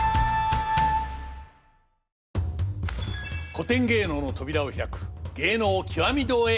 古典芸能の扉を開く「芸能きわみ堂」へようこそ。